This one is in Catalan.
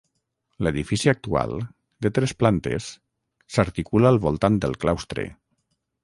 L'edifici actual, de tres plantes, s'articula al voltant del claustre.